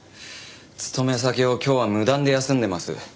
勤め先を今日は無断で休んでます。